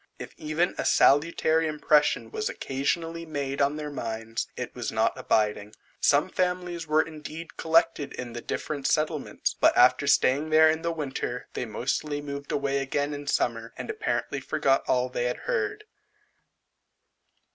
If even a salutary impression was occasionally made on their minds, it was not abiding. Some families were indeed collected in the different settlements, but after staying there the winter, they mostly moved away again in summer, and apparently forgot all they had heard.